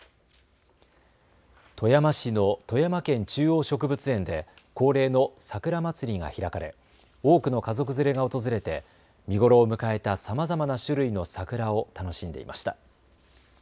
富山市の富山県中央植物園で恒例のさくらまつりが開かれ多くの家族連れが訪れて見頃を迎えたさまざまな種類の桜を楽しんでいました。